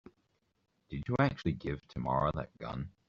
Did you actually give Tamara that gun?